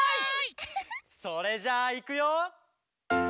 「それじゃあいくよ」